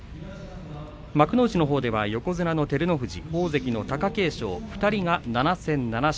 幕内のほうでは横綱の照ノ富士大関の貴景勝２人が７戦７勝。